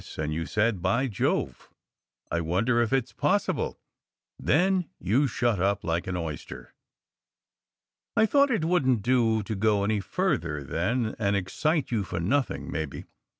And you said By Jove! I wonder if it s pos sible Then you shut up like an oyster." "I thought it wouldn t do to go further, then, and excite you for nothing, maybe.